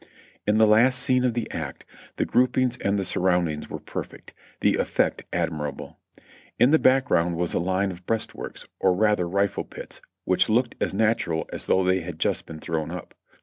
In the last scene of the last act the groupings and the sur roundings were perfect; the effect admirable. In the back ground was a line of breastworks, or rather rifle pits, which looked as natural as though they had just been thrown up.